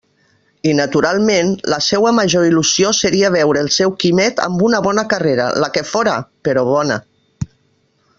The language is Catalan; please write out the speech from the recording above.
I naturalment, la seua major il·lusió seria veure el seu Quimet amb una bona carrera, la que fóra, però bona.